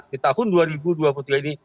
di tahun dua ribu dua puluh tiga ini